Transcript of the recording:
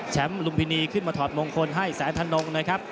ลุมพินีขึ้นมาถอดมงคลให้แสนธนงนะครับ